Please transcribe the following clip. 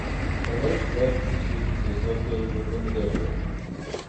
The lake Bleibtreusee is located within the district.